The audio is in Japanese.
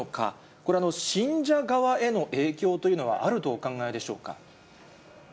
これは信者側への影響というのはあるとお考えでしょうか。